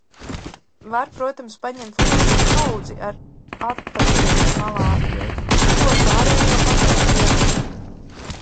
Var, protams, paņemt līdzi kaudzi ar atabrīnu malārijai, bet ko ar pārējām baktērijām?